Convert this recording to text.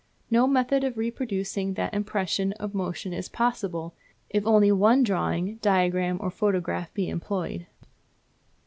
No method of reproducing that impression of motion is possible if only one drawing, diagram, or photograph be employed.